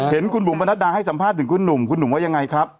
เห็นคุณบุ๋มประนัดดาให้สัมภาษณ์ถึงคุณหนุ่มคุณหนุ่มว่ายังไงครับ